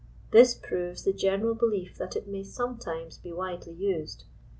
This proves the general belief that it may sometimes be wisely used.